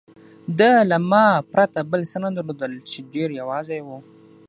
ده له ما پرته بل څه نه درلودل، چې ډېر یوازې و.